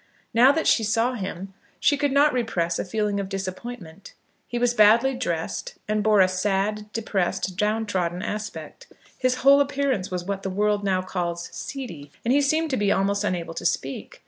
Now that she saw him, she could not repress a feeling of disappointment. He was badly dressed, and bore a sad, depressed, downtrodden aspect. His whole appearance was what the world now calls seedy. And he seemed to be almost unable to speak.